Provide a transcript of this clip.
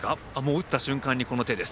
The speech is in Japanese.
打った瞬間に、この手です。